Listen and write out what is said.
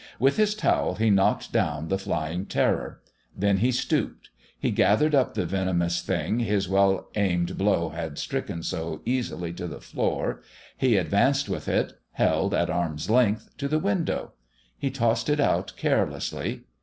With his towel he knocked down the flying terror. Then he stooped. He gathered up the venomous thing his well aimed blow had stricken so easily to the floor. He advanced with it, held at arm's length, to the window. He tossed it out carelessly.